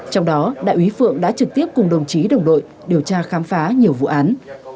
trong đó đại úy phượng đã trực tiếp cùng đồng chí đồng đội điều tra khám phá nhiều vụ án